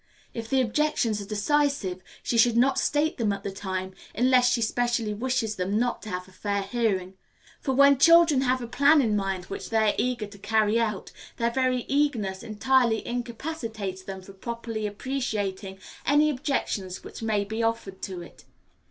If the objections are decisive, she should not state them at the time, unless she specially wishes them not to have a fair hearing; for when children have a plan in mind which they are eager to carry out, their very eagerness entirely incapacitates them for properly appreciating any objections which may be offered to it.